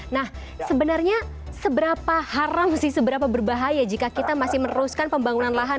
nah sebenarnya seberapa haram sih seberapa berbahaya jika kita masih meneruskan pembangunan lahan